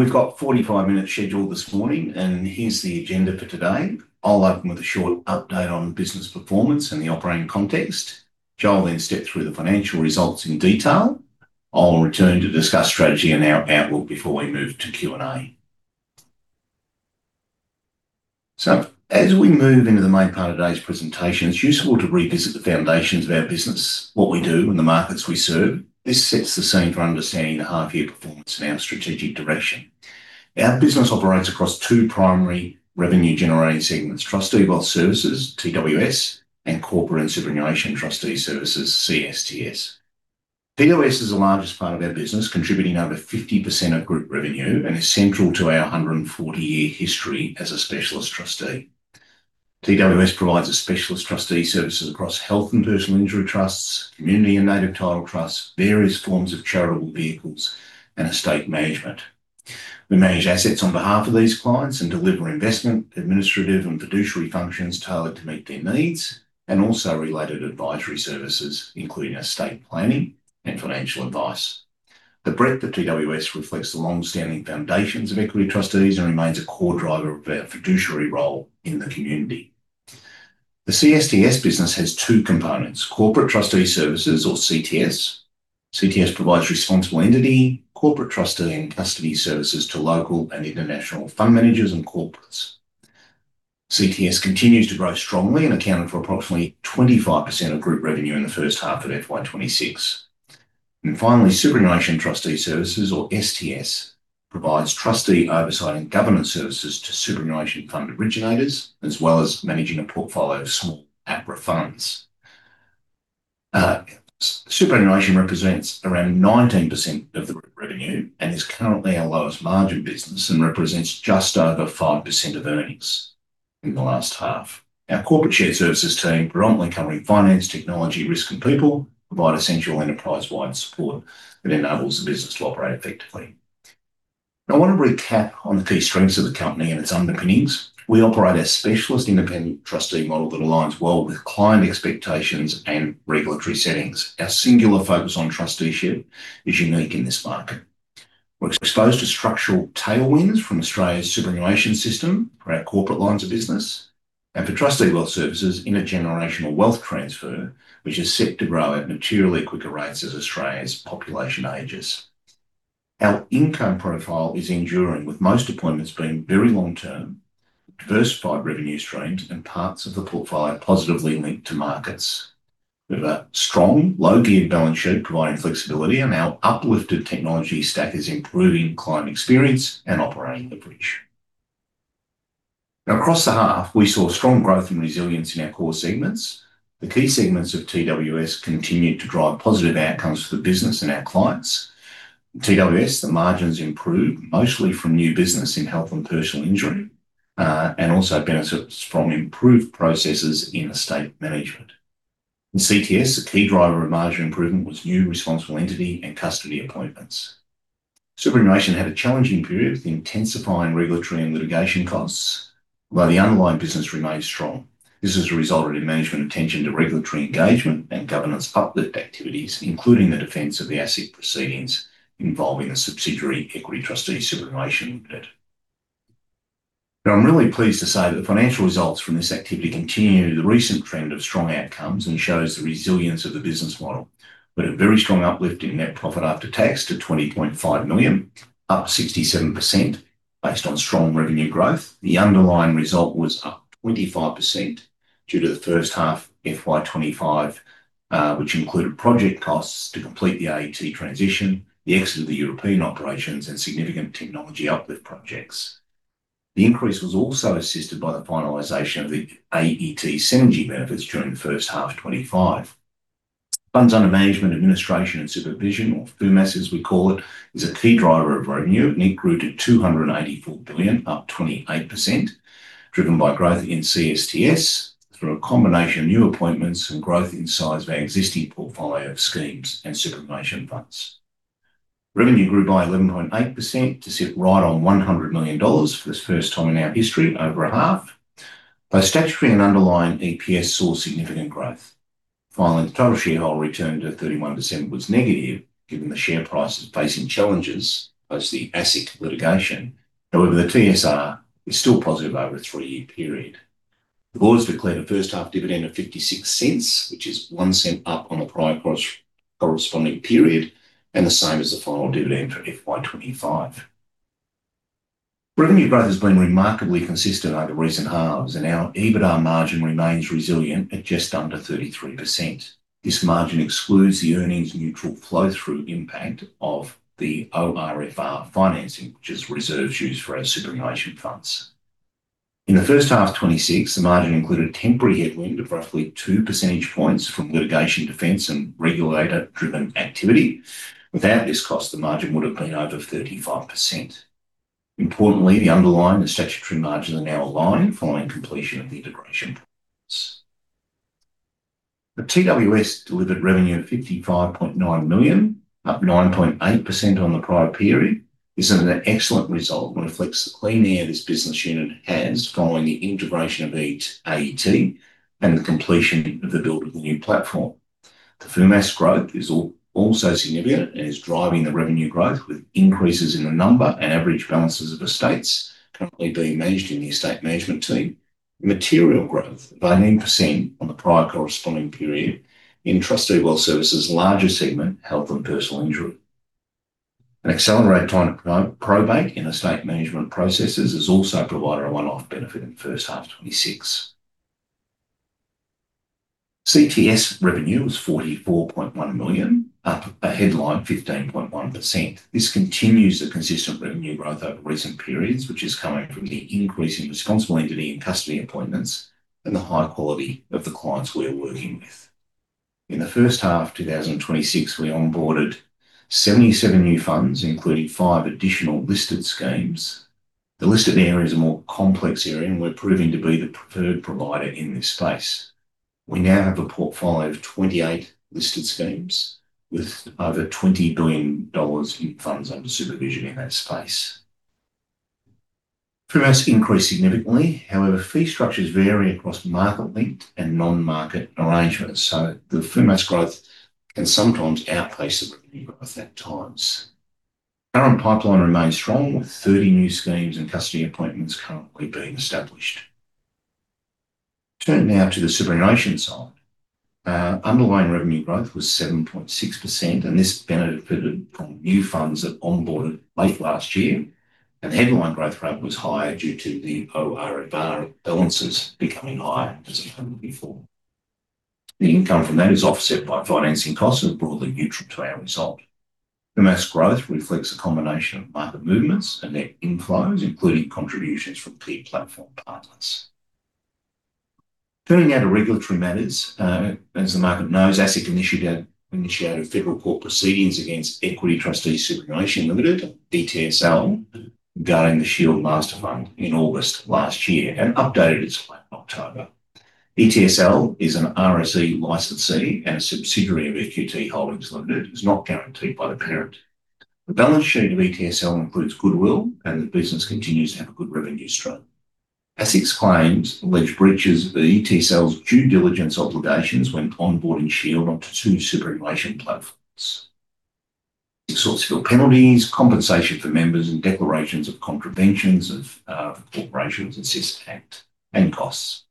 We've got 45 minutes scheduled this morning, and here's the agenda for today. I'll open with a short update on business performance and the operating context. Jo will then step through the financial results in detail. I'll return to discuss strategy and our outlook before we move to Q&A. So as we move into the main part of today's presentation, it's useful to revisit the foundations of our business, what we do, and the markets we serve. This sets the scene for understanding the half-year performance and our strategic direction. Our business operates across two primary revenue-generating segments: Trustee Wealth Services, TWS, and Corporate and Superannuation Trustee Services, CSTS. TWS is the largest part of our business, contributing over 50% of group revenue, and is central to our 140-year history as a specialist trustee. TWS provides a specialist trustee services across Health and Personal Injury trusts, Community and Native Title trusts, various forms of Charitable Vehicles, and Estate Management. We manage assets on behalf of these clients and deliver investment, administrative, and fiduciary functions tailored to meet their needs, and also related advisory services, including estate planning and financial advice. The breadth of TWS reflects the long-standing foundations of Equity Trustees and remains a core driver of our fiduciary role in the community. The CSTS business has two components: Corporate Trustee Services or CTS. CTS provides Responsible Entity, Corporate Trustee, and Custody services to local and international fund managers and corporates. CTS continues to grow strongly and accounted for approximately 25% of group revenue in the first half of FY 2026. Finally, Superannuation Trustee Services, or STS, provides trustee oversight and governance services to superannuation fund originators, as well as managing a portfolio of Small APRA Funds. Superannuation represents around 19% of the revenue and is currently our lowest-margin business and represents just over 5% of earnings in the last half. Our corporate shared services team, predominantly covering finance, technology, risk, and people, provide essential enterprise-wide support that enables the business to operate effectively. Now, I want to recap on the key strengths of the company and its underpinnings. We operate a specialist independent trustee model that aligns well with client expectations and regulatory settings. Our singular focus on trusteeship is unique in this market. We're exposed to structural tailwinds from Australia's superannuation system for our corporate lines of business, and for Trustee Wealth Services in a generational wealth transfer, which is set to grow at materially quicker rates as Australia's population ages. Our income profile is enduring, with most appointments being very long-term, diversified revenue streams and parts of the portfolio positively linked to markets. We have a strong, low-geared balance sheet, providing flexibility, and our uplifted technology stack is improving client experience and operating leverage. Now, across the half, we saw strong growth and resilience in our core segments. The key segments of TWS continued to drive positive outcomes for the business and our clients. TWS, the margins improved, mostly from new business in health and personal injury, and also benefits from improved processes in estate management. In CTS, the key driver of margin improvement was new responsible entity and custody appointments. Superannuation had a challenging period with intensifying regulatory and litigation costs, while the underlying business remained strong. This has resulted in management attention to regulatory engagement and governance uplift activities, including the defence of the ASIC proceedings involving a subsidiary, Equity Trustees Superannuation Limited. Now, I'm really pleased to say that the financial results from this activity continue the recent trend of strong outcomes and shows the resilience of the business model, with a very strong uplift in net profit after tax to 20.5 million, up 67% based on strong revenue growth. The underlying result was up 25% due to the first half FY25, which included project costs to complete the AET transition, the exit of the European operations, and significant technology uplift projects. The increase was also assisted by the finalization of the AET synergy benefits during the first half of 2025. Funds under management, administration, and supervision, or FUMAS, as we call it, is a key driver of revenue, and it grew to 284 billion, up 28%, driven by growth in CSTS through a combination of new appointments and growth in size of our existing portfolio of schemes and superannuation funds. Revenue grew by 11.8% to sit right on 100 million dollars for the first time in our history over a half. Both statutory and underlying EPS saw significant growth, while the total shareholder return to 31% was negative, given the share price is facing challenges post the ASIC litigation. However, the TSR is still positive over a three-year period. The board has declared a first-half dividend of 0.56, which is 0.01 up on the prior corresponding period, and the same as the final dividend for FY25. Revenue growth has been remarkably consistent over recent halves, and our EBITDA margin remains resilient at just under 33%. This margin excludes the earnings neutral flow-through impact of the ORFR financing, which is reserves used for our superannuation funds. In the first half of 2026, the margin included a temporary headwind of roughly 2 percentage points from litigation, defence, and regulator-driven activity. Without this cost, the margin would have been over 35%. Importantly, the underlying and statutory margins are now aligned following completion of the integration points. The TWS delivered revenue of 55.9 million, up 9.8% on the prior period, is an excellent result and reflects the clean air this business unit has following the integration of AET and the completion of the build of the new platform. The FUMAS growth is also significant and is driving the revenue growth, with increases in the number and average balances of estates currently being managed in the estate management team. Material growth by 9% on the prior corresponding period in Trustee Wealth Services' larger segment, health and personal injury. An accelerated time to promote probate in estate management processes has also provided a one-off benefit in first half 2026. CTS revenue was 44.1 million, up a headline 15.1%. This continues the consistent revenue growth over recent periods, which is coming from the increase in responsible entity and custody appointments and the high quality of the clients we're working with. In the first half of 2026, we onboarded 77 new funds, including five additional listed schemes. The listed area is a more complex area, and we're proving to be the preferred provider in this space. We now have a portfolio of 28 listed schemes, with over 20 billion dollars in funds under supervision in that space. FUMAS increased significantly; however, fee structures vary across market-linked and non-market arrangements, so the FUMAS growth can sometimes outpace the revenue growth at times. Current pipeline remains strong, with 30 new schemes and custody appointments currently being established. Turning now to the superannuation side. Underlying revenue growth was 7.6%, and this benefited from new funds that onboarded late last year, and the headline growth rate was higher due to the ORFR balances becoming higher as of before. The income from that is offset by financing costs and broadly neutral to our result. FUMAS growth reflects a combination of market movements and net inflows, including contributions from clear platform partners. Turning now to regulatory matters. As the market knows, ASIC initiated Federal Court proceedings against Equity Trustees Superannuation Limited, ETSL, regarding the Shield Master Fund in August last year and updated it in October. ETSL is an RSE licensee and a subsidiary of EQT Holdings Limited. It's not guaranteed by the parent. The balance sheet of ETSL includes goodwill, and the business continues to have a good revenue stream. ASIC's claims allege breaches of the ETSL's due diligence obligations when onboarding Shield onto two superannuation platforms. It seeks civil penalties, compensation for members, and declarations of contraventions of the Corporations Act, and costs.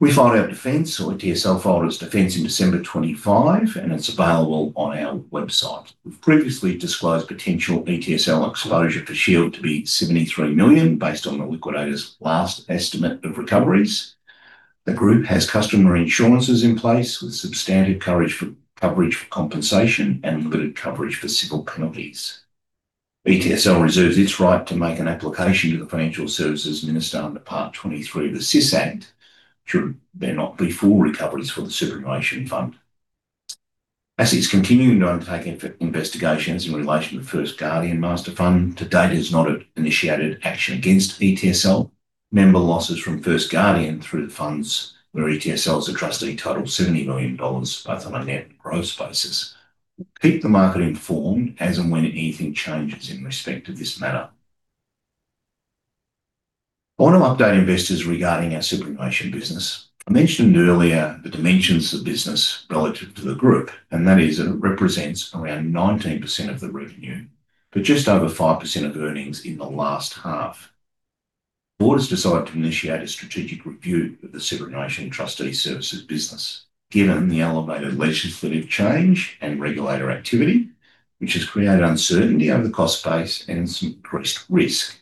We filed our defence, or ETSL filed its defence in December 25, and it's available on our website. We've previously disclosed potential ETSL exposure for Shield to be 73 million, based on the liquidator's last estimate of recoveries. The group has customer insurances in place, with substantive coverage for compensation and limited coverage for civil penalties. ETSL reserves its right to make an application to the Financial Services Minister under Part 23 of the SIS Act, should there not be full recoveries for the superannuation fund. ASIC's continuing to undertake investigations in relation to First Guardian Master Fund. To date, it has not initiated action against ETSL. Member losses from First Guardian through the funds, where ETSL is a trustee, total 70 million dollars, both on a net and gross basis. Keep the market informed as and when anything changes in respect to this matter. I want to update investors regarding our superannuation business. I mentioned earlier the dimensions of the business relative to the group, and that is that it represents around 19% of the revenue, but just over 5% of earnings in the last half. The board has decided to initiate a strategic review of the Superannuation Trustee Services business, given the elevated legislative change and regulator activity, which has created uncertainty over the cost base and some increased risk.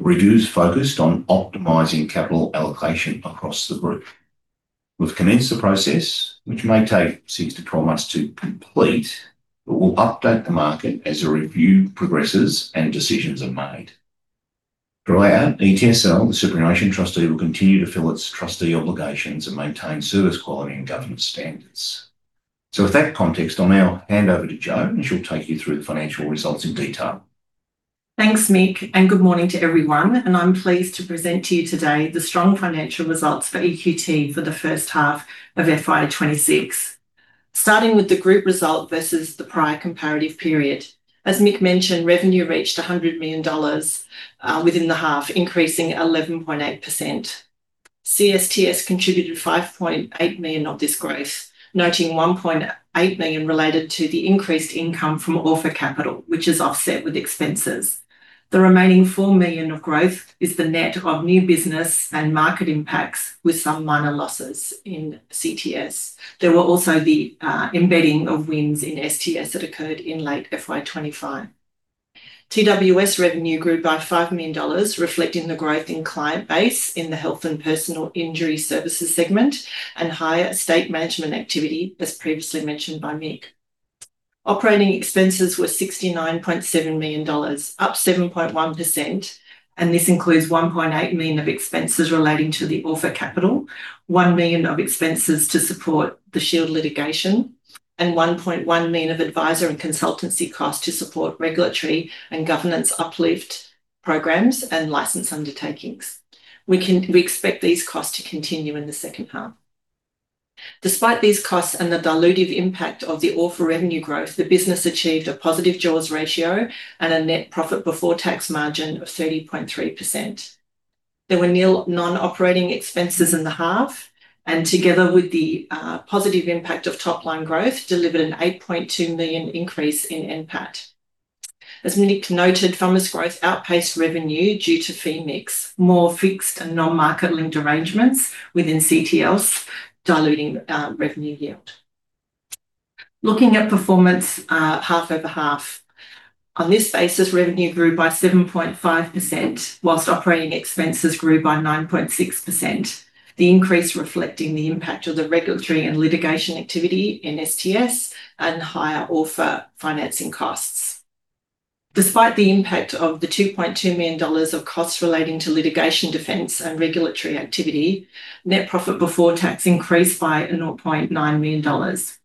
Review is focused on optimizing capital allocation across the group. We've commenced the process, which may take 6-12 months to complete, but we'll update the market as the review progresses and decisions are made. Throughout, ETSL, the superannuation trustee, will continue to fill its trustee obligations and maintain service quality and governance standards. So with that context, I'll now hand over to Jo, and she'll take you through the financial results in detail. Thanks, Mick, and good morning to everyone, and I'm pleased to present to you today the strong financial results for EQT for the first half of FY 2026. Starting with the group result versus the prior comparative period. As Mick mentioned, revenue reached 100 million dollars within the half, increasing 11.8%. CSTS contributed 5.8 million of this growth, noting 1.8 million related to the increased income from AET Capital, which is offset with expenses. The remaining 4 million of growth is the net of new business and market impacts, with some minor losses in CTS. There were also the embedding of wins in STS that occurred in late FY25. TWS revenue grew by 5 million dollars, reflecting the growth in client base in the health and personal injury services segment and higher estate management activity, as previously mentioned by Mick. Operating expenses were AUD 69.7 million, up 7.1%, and this includes 1.8 million of expenses relating to the ORFR capital, 1 million of expenses to support the Shield litigation, and 1.1 million of advisor and consultancy costs to support regulatory and governance uplift programs and license undertakings. We expect these costs to continue in the second half. Despite these costs and the dilutive impact of the ORFR revenue growth, the business achieved a positive jaws ratio and a net profit before tax margin of 30.3%... There were nil non-operating expenses in the half, and together with the positive impact of top-line growth, delivered an 8.2 million increase in NPAT. As Mick noted, FUMAS growth outpaced revenue due to fee mix, more fixed and non-market linked arrangements within CTS, diluting revenue yield. Looking at performance, half over half. On this basis, revenue grew by 7.5%, whilst operating expenses grew by 9.6%. The increase reflecting the impact of the regulatory and litigation activity in STS and higher ORFR financing costs. Despite the impact of the 2.2 million dollars of costs relating to litigation, defence and regulatory activity, net profit before tax increased by 0.9 million dollars.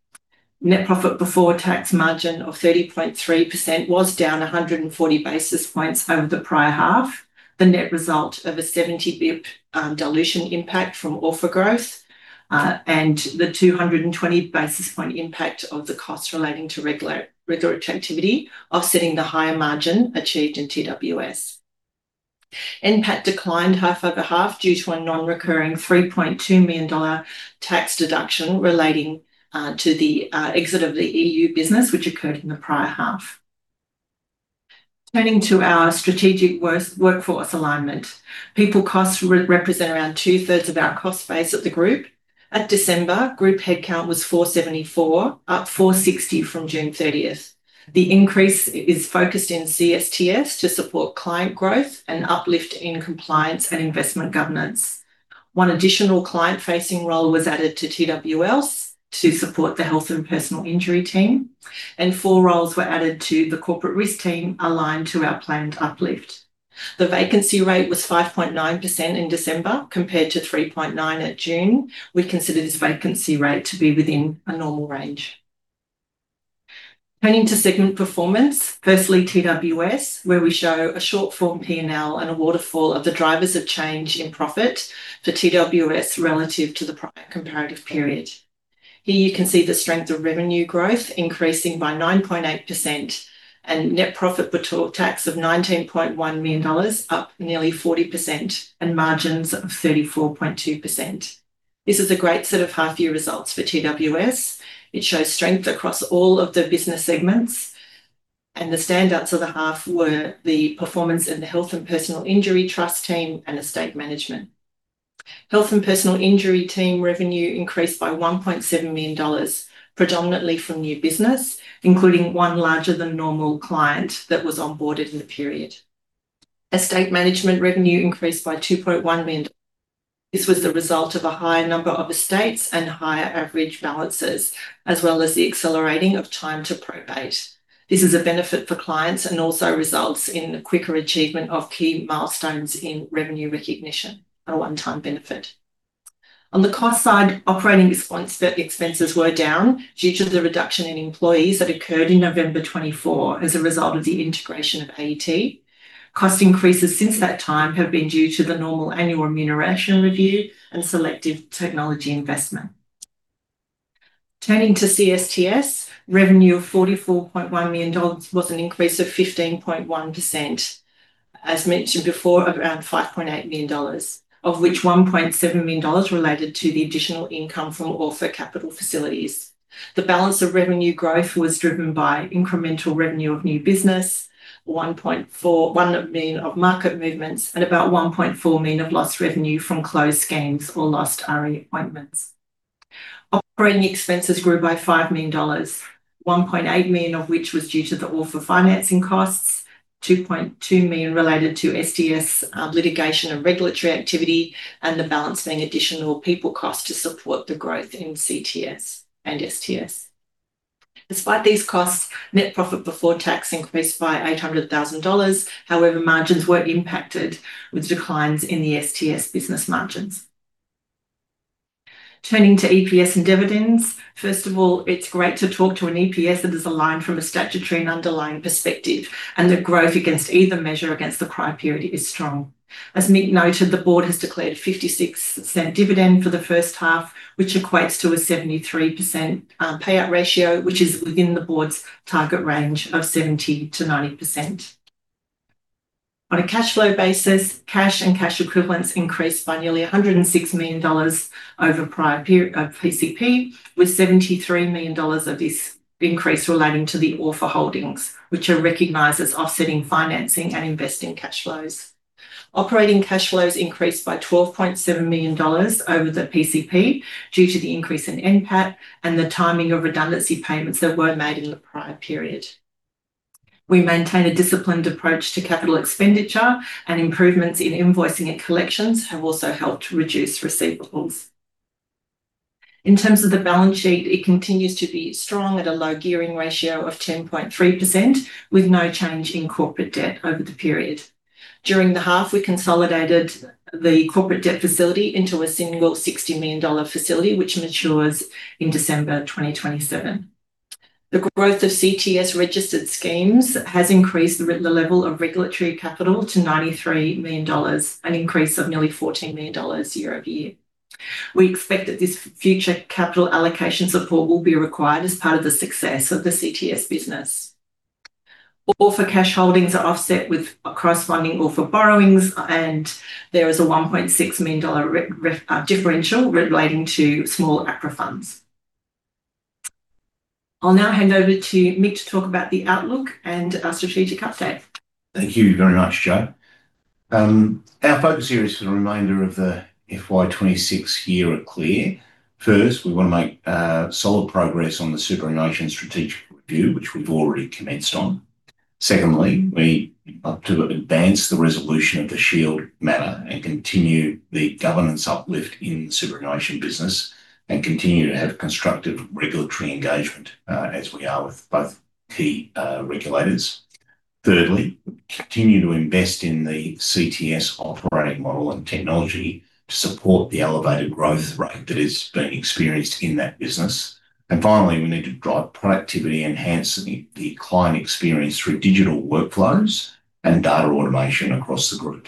Net profit before tax margin of 30.3% was down 140 basis points over the prior half, the net result of a 70 basis point dilution impact from ORFR growth, and the 220 basis point impact of the costs relating to regulatory activity, offsetting the higher margin achieved in TWS. NPAT declined half over half due to a non-recurring 3.2 million dollar tax deduction relating to the exit of the EU business, which occurred in the prior half. Turning to our strategic workforce alignment. People costs represent around two-thirds of our cost base at the group. At December, group headcount was 474, up 460 from June 30. The increase is focused in CSTS to support client growth and uplift in compliance and investment governance. One additional client-facing role was added to TWS to support the health and personal injury team, and four roles were added to the corporate risk team, aligned to our planned uplift. The vacancy rate was 5.9% in December, compared to 3.9% at June. We consider this vacancy rate to be within a normal range. Turning to segment performance. Firstly, TWS, where we show a short form P&L and a waterfall of the drivers of change in profit for TWS relative to the comparative period. Here you can see the strength of revenue growth increasing by 9.8% and net profit before tax of AUD 19.1 million, up nearly 40% and margins of 34.2%. This is a great set of half-year results for TWS. It shows strength across all of the business segments, and the standouts of the half were the performance in the health and personal injury trust team and estate management. Health and personal injury team revenue increased by 1.7 million dollars, predominantly from new business, including one larger than normal client that was onboarded in the period. Estate management revenue increased by 2.1 million. This was the result of a higher number of estates and higher average balances, as well as the accelerating of time to probate. This is a benefit for clients and also results in a quicker achievement of key milestones in revenue recognition, a one-time benefit. On the cost side, operating expense, expenses were down due to the reduction in employees that occurred in November 2024 as a result of the integration of AET. Cost increases since that time have been due to the normal annual remuneration review and selective technology investment. Turning to CSTS, revenue of 44.1 million dollars was an increase of 15.1%. As mentioned before, around 5.8 million dollars, of which 1.7 million dollars related to the additional income from ORFR capital facilities. The balance of revenue growth was driven by incremental revenue of new business, 1 million of market movements, and about 1.4 million of lost revenue from closed schemes or lost RE appointments. Operating expenses grew by 5 million dollars, 1.8 million of which was due to the ORFR financing costs, 2.2 million related to STS litigation and regulatory activity, and the balance being additional people cost to support the growth in CTS and STS. Despite these costs, net profit before tax increased by 800 thousand dollars. However, margins were impacted with declines in the STS business margins. Turning to EPS and dividends. First of all, it's great to talk about an EPS that is aligned from a statutory and underlying perspective, and the growth against either measure against the prior period is strong. As Mick noted, the board has declared 0.56 dividend for the first half, which equates to a 73% payout ratio, which is within the board's target range of 70%-90%. On a cash flow basis, cash and cash equivalents increased by nearly 106 million dollars over prior period, PCP, with 73 million dollars of this increase relating to the other holdings, which are recognized as offsetting financing and investing cash flows. Operating cash flows increased by AUD 12.7 million over the PCP due to the increase in NPAT and the timing of redundancy payments that were made in the prior period. We maintain a disciplined approach to capital expenditure, and improvements in invoicing and collections have also helped to reduce receivables. In terms of the balance sheet, it continues to be strong at a low gearing ratio of 10.3%, with no change in corporate debt over the period. During the half, we consolidated the corporate debt facility into a single AUD 60 million facility, which matures in December 2027. The growth of CTS registered schemes has increased the level of regulatory capital to 93 million dollars, an increase of nearly 14 million dollars year-over-year. We expect that this future capital allocation support will be required as part of the success of the CTS business. ORFR cash holdings are offset with cross funding ORFR borrowings, and there is a 1.6 million dollar differential relating to Small APRA Funds. I'll now hand over to Mick to talk about the outlook and our strategic update. Thank you very much, Jo. Our focus here is for the remainder of the FY 2026 year are clear. First, we wanna make solid progress on the superannuation strategic review, which we've already commenced on. Secondly, we hope to advance the resolution of the Shield matter and continue the governance uplift in superannuation business, and continue to have constructive regulatory engagement, as we are with both key regulators. Thirdly, continue to invest in the CTS operating model and technology to support the elevated growth rate that is being experienced in that business. Finally, we need to drive productivity, enhancing the client experience through digital workflows and data automation across the group.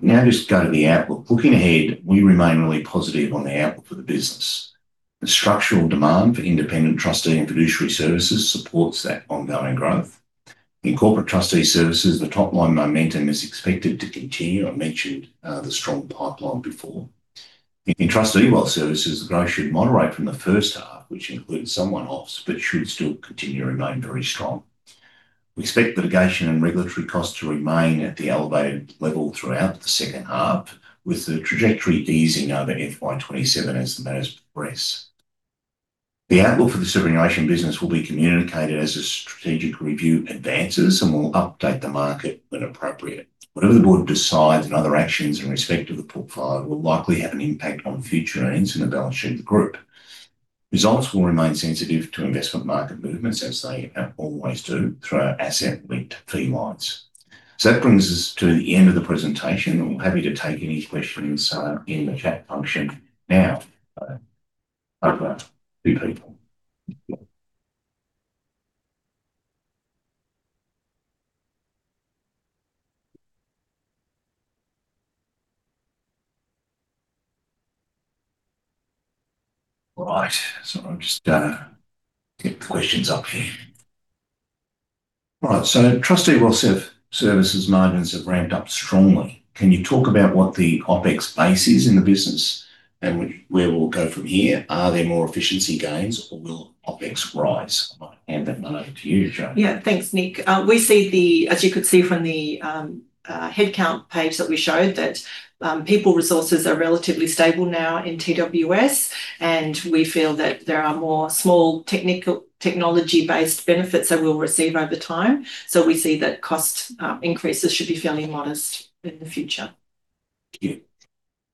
Now just go to the outlook. Looking ahead, we remain really positive on the outlook for the business. The structural demand for independent trustee and fiduciary services supports that ongoing growth. In corporate trustee services, the top-line momentum is expected to continue. I mentioned, the strong pipeline before. In trustee wealth services, growth should moderate from the first half, which included some one-offs, but should still continue to remain very strong. We expect litigation and regulatory costs to remain at the elevated level throughout the second half, with the trajectory easing over FY 27 as the matters progress. The outlook for the superannuation business will be communicated as a strategic review advances, and we'll update the market when appropriate. Whatever the board decides, and other actions in respect of the portfolio will likely have an impact on future earnings and the balance sheet of the group. Results will remain sensitive to investment market movements, as they always do through our asset-linked fee lines. So that brings us to the end of the presentation. I'm happy to take any questions in the chat function now. Over to you, people. All right, so I'll just get the questions up here. All right, so Trustee Wealth Services margins have ramped up strongly. Can you talk about what the OpEx base is in the business and where we'll go from here? Are there more efficiency gains or will OpEx rise? I might hand that one over to you, Jo. Yeah, thanks, Mick. We see, as you could see from the headcount page that we showed, that people resources are relatively stable now in TWS, and we feel that there are more small technical, technology-based benefits that we'll receive over time. So we see that cost increases should be fairly modest in the future. Thank you.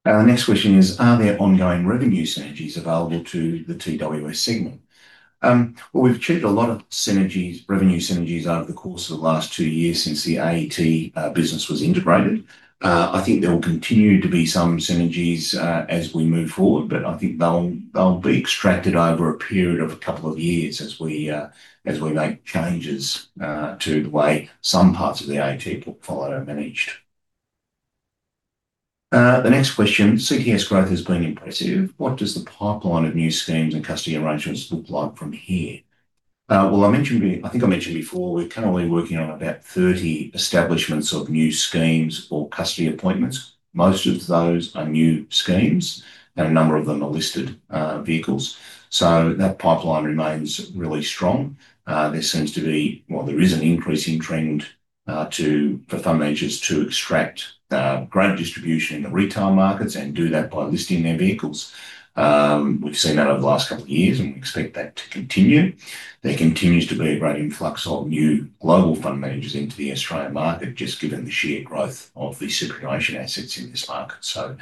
Our next question is: Are there ongoing revenue synergies available to the TWS segment? Well, we've achieved a lot of synergies, revenue synergies over the course of the last two years since the AET business was integrated. I think there will continue to be some synergies as we move forward, but I think they'll be extracted over a period of a couple of years as we make changes to the way some parts of the AET portfolio are managed. The next question, CTS growth has been impressive. What does the pipeline of new schemes and custody arrangements look like from here? Well, I mentioned before, I think I mentioned before, we're currently working on about 30 establishments of new schemes or custody appointments. Most of those are new schemes, and a number of them are listed, vehicles. So that pipeline remains really strong. There seems to be... Well, there is an increasing trend to, for fund managers to extract, grant distribution in the retail markets and do that by listing their vehicles. We've seen that over the last couple of years, and we expect that to continue. There continues to be a great influx of new global fund managers into the Australian market, just given the sheer growth of the superannuation assets in this market. So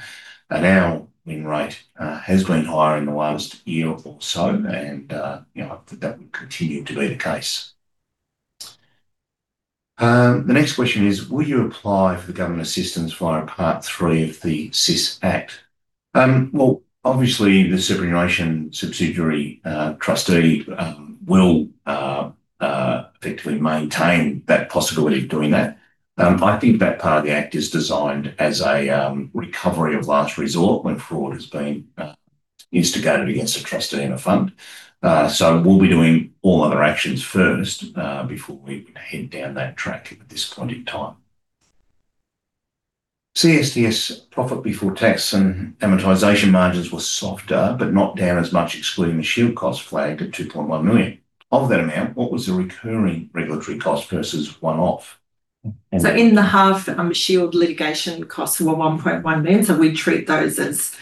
our now win rate has been higher in the last year or so, and, you know, that would continue to be the case. The next question is: Will you apply for the government assistance via Part 3 of the SIS Act? Well, obviously, the superannuation subsidiary, trustee, will effectively maintain that possibility of doing that. I think that part of the Act is designed as a recovery of last resort when fraud has been instigated against a trustee in a fund. We'll be doing all other actions first before we head down that track at this point in time. CSTS profit before tax and amortization margins were softer, but not down as much, excluding the Shield cost flagged at 2.1 million. Of that amount, what was the recurring regulatory cost versus one-off? So in the half, Shield litigation costs were 1.1 million, so we treat those as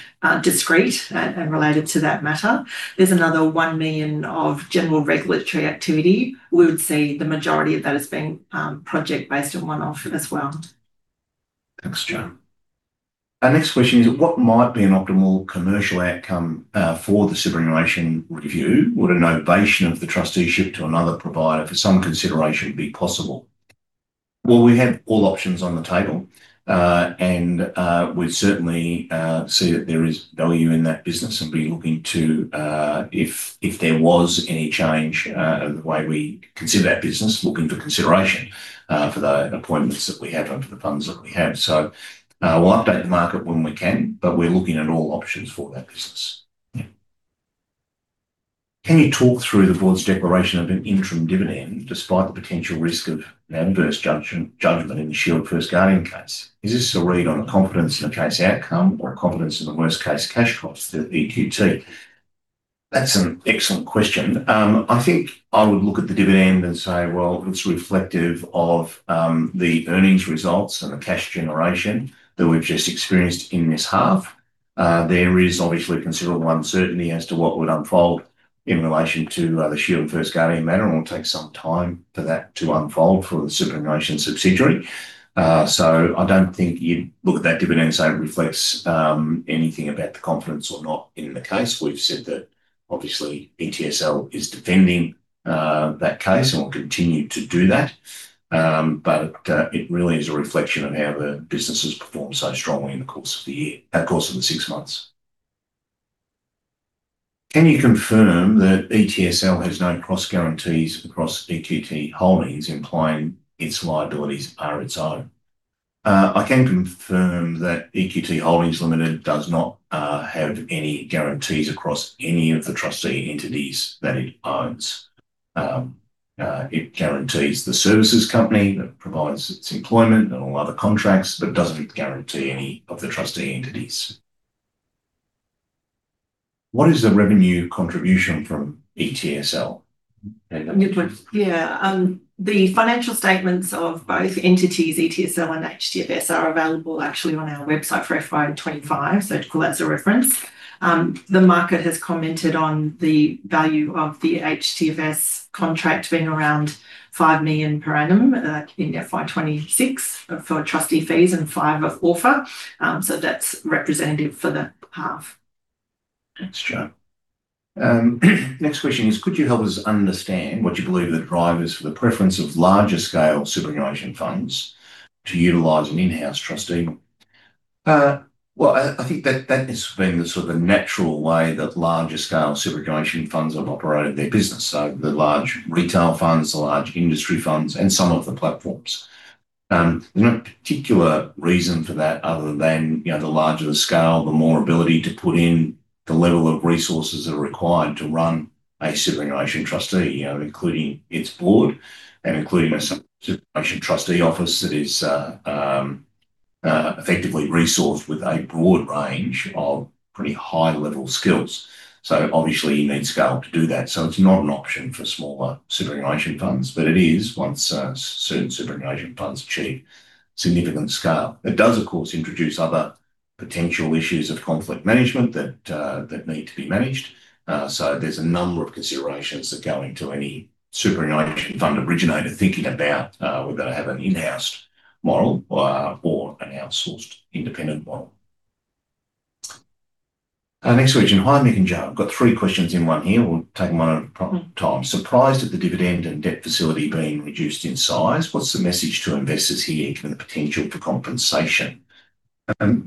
discrete and related to that matter. There's another 1 million of general regulatory activity. We would see the majority of that as being project-based and one-off as well. Thanks, Jo. Our next question is: What might be an optimal commercial outcome for the superannuation review? Would a novation of the trusteeship to another provider for some consideration be possible? Well, we have all options on the table, and we certainly see that there is value in that business and be looking to, if there was any change in the way we consider that business, looking for consideration for the appointments that we have over the funds that we have. We'll update the market when we can, but we're looking at all options for that business. Yeah. Can you talk through the board's declaration of an interim dividend, despite the potential risk of an adverse judgment in the Shield First Guardian case? Is this a read on a confidence in the case outcome, or a confidence in the worst-case cash costs to EQT? That's an excellent question. I think I would look at the dividend and say, well, it's reflective of the earnings results and the cash generation that we've just experienced in this half. There is obviously considerable uncertainty as to what would unfold in relation to the Shield First Guardian matter, and it will take some time for that to unfold for the superannuation subsidiary. So I don't think you'd look at that dividend and say it reflects anything about the confidence or not in the case. We've said that obviously, ETSL is defending that case, and we'll continue to do that. But it really is a reflection of how the business has performed so strongly in the course of the year, course of the six months. Can you confirm that ETSL has no cross guarantees across EQT Holdings, implying its liabilities are its own? I can confirm that EQT Holdings Limited does not have any guarantees across any of the trustee entities that it owns. It guarantees the services company that provides its employment and all other contracts, but it doesn't guarantee any of the trustee entities. What is the revenue contribution from ETSL? Yeah, the financial statements of both entities, ETSL and HTFS, are available actually on our website for FY25, so call that as a reference. The market has commented on the value of the HTFS contract being around 5 million per annum, in FY 2026 for trustee fees and 5 of ORFR. So that's representative for the half. Thanks, Jo. Next question is: Could you help us understand what you believe are the drivers for the preference of larger-scale superannuation funds to utilize an in-house trustee? Well, I think that has been the sort of natural way that larger-scale superannuation funds have operated their business, so the large retail funds, the large industry funds, and some of the platforms. There's no particular reason for that other than, you know, the larger the scale, the more ability to put in the level of resources that are required to run a superannuation trustee, you know, including its board and including a superannuation trustee office that is effectively resourced with a broad range of pretty high-level skills. So obviously, you need scale to do that. So it's not an option for smaller superannuation funds, but it is once certain superannuation funds achieve significant scale. It does, of course, introduce other potential issues of conflict management that, that need to be managed. So there's a number of considerations that go into any superannuation fund originator thinking about, whether to have an in-house model, or an outsourced independent model. Next question. Hi, Mick and Jo. I've got three questions in one here. We'll take them one at a time. Surprised at the dividend and debt facility being reduced in size, what's the message to investors here given the potential for compensation?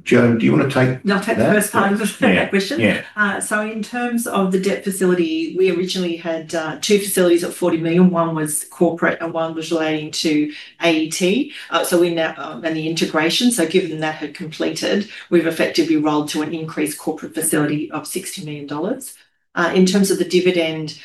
Jo, do you want to take that? I'll take the first part of that question. Yeah. So in terms of the debt facility, we originally had two facilities of 40 million. One was corporate, and one was relating to AET, so we now, and the integration. So given that had completed, we've effectively rolled to an increased corporate facility of 60 million dollars. In terms of the dividend,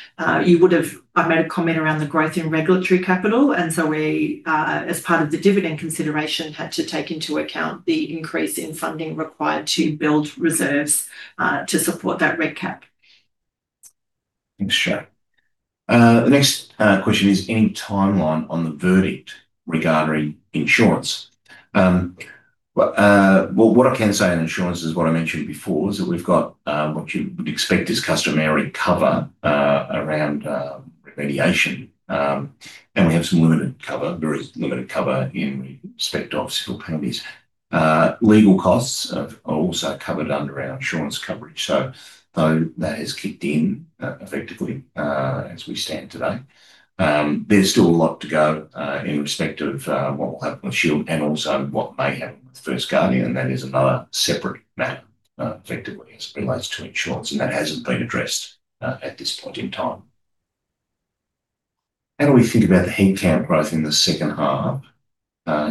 you would have... I made a comment around the growth in regulatory capital, and so we, as part of the dividend consideration, had to take into account the increase in funding required to build reserves, to support that recap. Thanks, Jo. The next question is, any timeline on the verdict regarding insurance? Well, what I can say on insurance is what I mentioned before, is that we've got what you would expect is customary cover around remediation. And we have some limited cover, very limited cover in respect of civil penalties. Legal costs are also covered under our insurance coverage, so though that has kicked in effectively as we stand today. There's still a lot to go in respect of what will happen with Shield and also what may happen with First Guardian, and that is another separate matter effectively as it relates to insurance, and that hasn't been addressed at this point in time. How do we think about the headcount growth in the second half,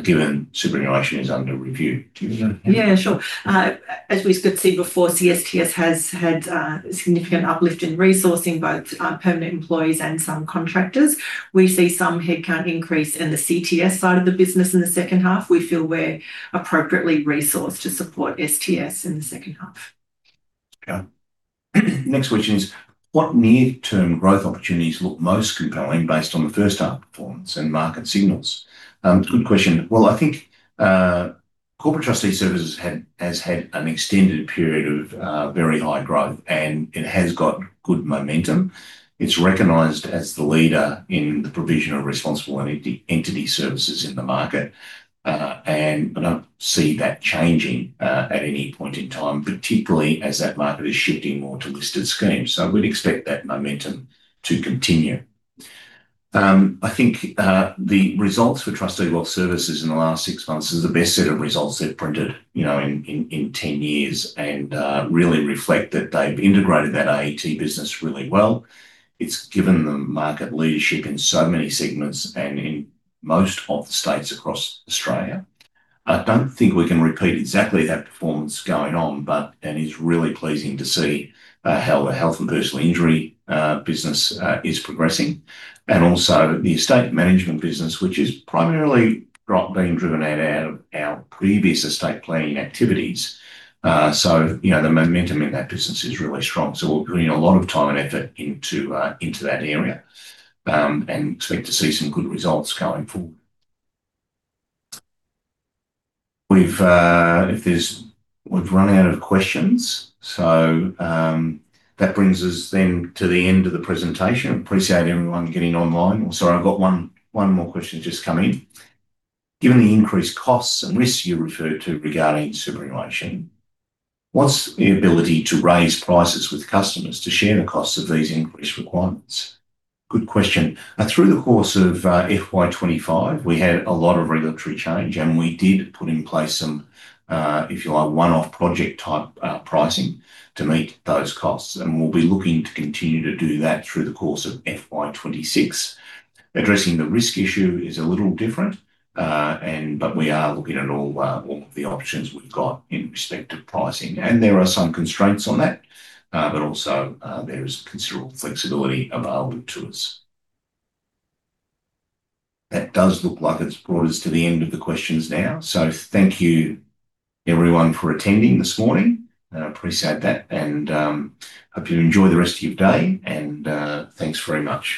given superannuation is under review? Do you want to... Yeah, sure. As we said before, CSTS has had significant uplift in resourcing, both permanent employees and some contractors. We see some headcount increase in the CTS side of the business in the second half. We feel we're appropriately resourced to support STS in the second half. Okay. Next question is: What near-term growth opportunities look most compelling based on the first half performance and market signals? Good question. Well, I think Corporate Trustee Services has had an extended period of very high growth, and it has got good momentum. It's recognized as the leader in the provision of responsible entity services in the market. And I don't see that changing at any point in time, particularly as that market is shifting more to listed schemes. So I would expect that momentum to continue. I think the results for Trustee Wealth Services in the last six months is the best set of results they've printed, you know, in 10 years and really reflect that they've integrated that AET business really well. It's given them market leadership in so many segments and in most of the states across Australia. I don't think we can repeat exactly that performance going on, but, and it's really pleasing to see how the health and personal injury business is progressing, and also the Estate Management business, which is primarily being driven out of our previous estate planning activities. So, you know, the momentum in that business is really strong. So we're putting a lot of time and effort into that area, and expect to see some good results going forward. We've run out of questions, so that brings us then to the end of the presentation. Appreciate everyone getting online. Sorry, I've got one more question just come in. Given the increased costs and risks you referred to regarding superannuation, what's the ability to raise prices with customers to share the costs of these increased requirements? Good question. Through the course of FY25, we had a lot of regulatory change, and we did put in place some, if you like, one-off project-type pricing to meet those costs, and we'll be looking to continue to do that through the course of FY 26. Addressing the risk issue is a little different, and but we are looking at all, all of the options we've got in respect to pricing, and there are some constraints on that, but also, there is considerable flexibility available to us. That does look like it's brought us to the end of the questions now. So thank you everyone for attending this morning. I appreciate that, and hope you enjoy the rest of your day, and thanks very much.